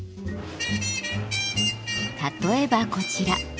例えばこちら。